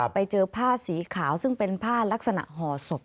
ไปเจอผ้าสีขาวซึ่งเป็นผ้าลักษณะห่อศพ